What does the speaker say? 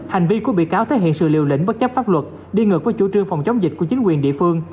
hành vi của bị cáo thể hiện sự liều lĩnh bất chấp pháp luật đi ngược với chủ trương phòng chống dịch của chính quyền địa phương